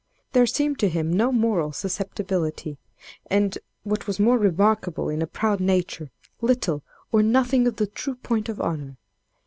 There seemed to him no moral susceptibility; and, what was more remarkable in a proud nature, little or nothing of the true point of honor.